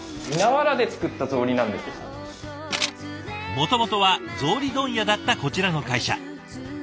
もともとは草履問屋だったこちらの会社。